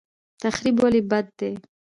تخریب ولې بد دی؟